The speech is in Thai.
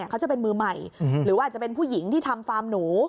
เขาจะเป็นมือใหม่หรือว่าอาจจะเป็นผู้หญิงที่ทำฟาร์มหนู